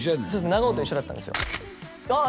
長尾と一緒だったんですよあっ